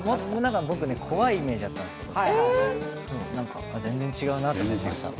僕ね、怖いイメージあったんですけど、全然違うなと思いました。